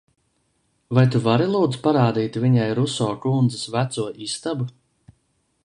Vai tu vari lūdzu parādīt viņai Ruso kundzes veco istabu?